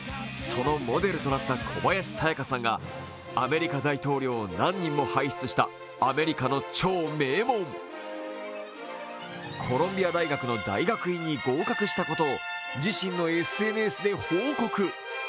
そのモデルとなった小林さやかさんがアメリカ大統領を何人も輩出したアメリカの超名門、コロンビア大学の大学院に合格したことを自身のＳＮＳで報告。